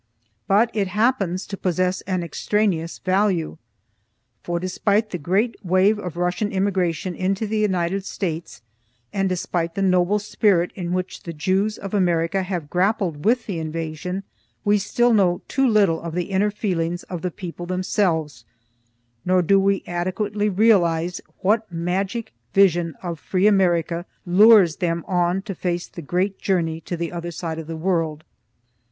But it happens to possess an extraneous value. For, despite the great wave of Russian immigration into the United States, and despite the noble spirit in which the Jews of America have grappled with the invasion, we still know too little of the inner feelings of the people themselves, nor do we adequately realize what magic vision of free America lures them on to face the great journey to the other side of the world.